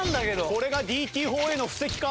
これがＤＴ砲への布石か？